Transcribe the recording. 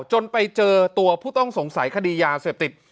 จนไปเจอตัวผู้ต้องสงสัยคดียาเสพติด